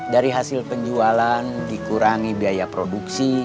dari hasil penjualan dikurangi biaya produksi